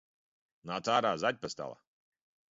Nāc ārā, zaķpastala!